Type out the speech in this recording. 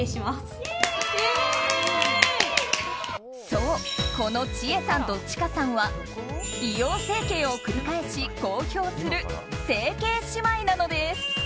そうこのちえさんと、ちかさんは美容整形を繰り返し、公表する整形姉妹なのです。